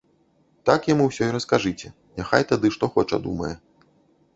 Так яму ўсё і раскажыце, няхай тады што хоча думае.